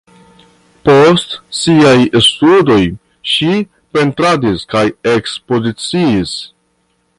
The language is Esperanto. Post siaj studoj ŝi pentradis kaj ekspoziciis.